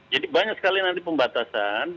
jadi banyak sekali nanti pembatasan